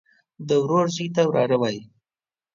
د ورور زوى ته وراره وايي.